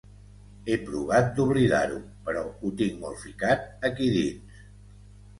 He provat d’oblidar-ho, però ho tinc molt ficat aquí dins.